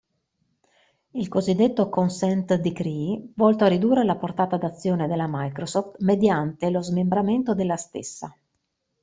Il cosiddetto "Consent Decree", volto a ridurre la portata d'azione della Microsoft mediante lo smembramento della stessa.